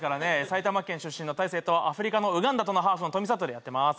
埼玉県出身の大誠とアフリカのウガンダとのハーフのトミサットでやってます